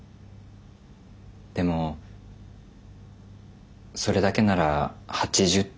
でもそれだけなら８０点ですよ。